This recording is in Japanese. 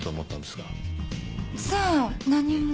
さあ何も。